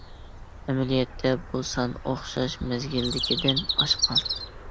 ئەمەلىيەتتە بۇ سان ئوخشاش مەزگىلدىكىدىن ئاشقان.